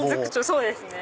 そうですね。